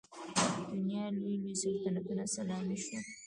د دنیا لوی لوی سلطنتونه سلامي شول.